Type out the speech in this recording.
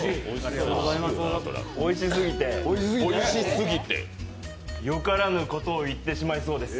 おいしすぎて、よからぬことを言ってしまいそうです。